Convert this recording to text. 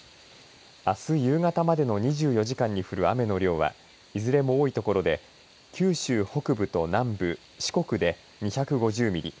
あす夕方までの２４時間に降る雨の量はいずれも多い所で九州北部と南部四国で２５０ミリ